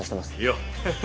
よっ。